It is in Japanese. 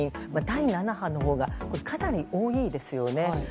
第７波のほうがかなり多いですよね。